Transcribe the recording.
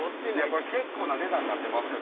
これ結構な値段なってますよ